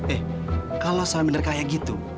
eh kalau saya benar kayak gitu